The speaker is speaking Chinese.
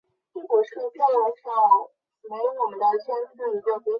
提欧多洛现在在拿坡里拥有一个纪念墓园。